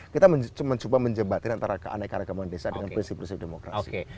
kita mencoba menjebatin antara keanekaragaman desa dengan prinsip prinsip demokrasi